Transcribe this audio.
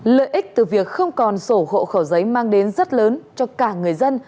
lợi ích từ việc không còn sổ hộ khẩu giấy mang đến rất lớn cho cả người dân